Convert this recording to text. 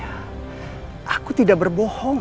aku tidak berbohong